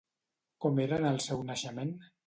Com era en el seu naixement?